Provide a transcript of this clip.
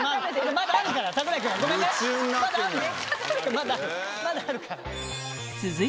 まだまだあるから。